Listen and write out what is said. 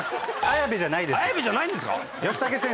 綾部じゃないんですか